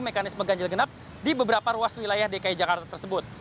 mekanisme ganjil genap di beberapa ruas wilayah dki jakarta tersebut